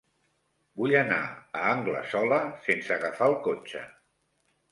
Vull anar a Anglesola sense agafar el cotxe.